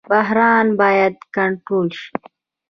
بحران باید کنټرول شي